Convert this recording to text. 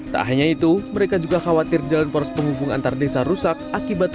tak hanya itu mereka juga khawatir jalan poros penghubung antar desa rusak akibat